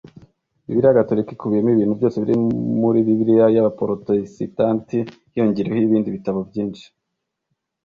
Bibiliya Gatolika ikubiyemo ibintu byose biri muri Bibiliya yAbaporotesitanti hiyongereyeho ibindi bitabo byinshi